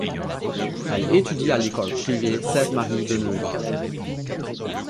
Elle étudie à l'école privée Sainte-Marie de Neuilly.